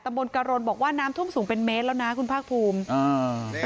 บนกะรนบอกว่าน้ำท่วมสูงเป็นเมตรแล้วนะคุณภาคภูมิอ่า